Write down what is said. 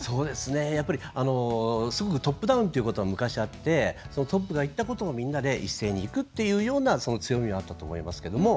やっぱり、すごくトップダウンということは昔、あってトップが言ったことを、みんなで一斉にいくっていうような強みはあったと思いますけども。